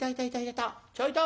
ちょいと！